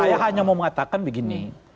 saya hanya mau mengatakan begini